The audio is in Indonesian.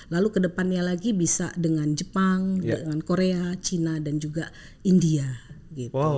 lalu kedepannya lagi bisa dengan jepang dengan korea china dan juga india gitu